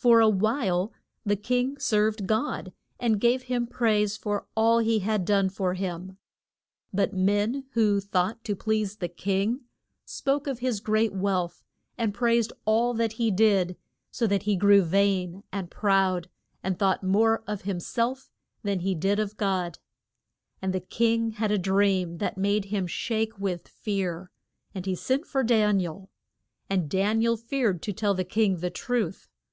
For a while the king served God and gave him praise for all he had done for him. But men who thought to please the king, spoke of his great wealth and praised all that he did, so that he grew vain and proud, and thought more of him self than he did of God. And the king had a dream that made him shake with fear, and he sent for Dan i el. And Dan i el feared to tell the king the truth.